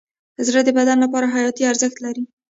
زړه د بدن لپاره حیاتي ارزښت لري.